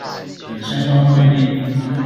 等相關規定